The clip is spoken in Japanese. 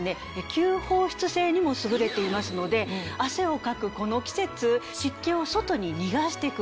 吸放湿性にも優れていますので汗をかくこの季節湿気を外に逃がしてくれる。